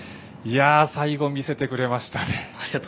最後、見せてくれましたね。